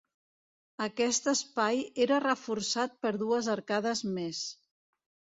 Aquest espai era reforçat per dues arcades més.